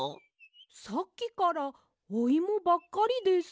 さっきからおイモばっかりです。